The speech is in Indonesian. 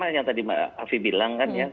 ya sama yang tadi mbak afi bilang kan ya